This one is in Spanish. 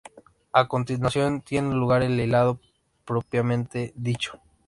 A continuación tiene lugar el hilado propiamente dicho.